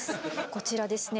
こちらですね